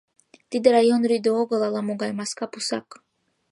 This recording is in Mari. Тиде район рӱдӧ огыл, ала-могай... маска пусак.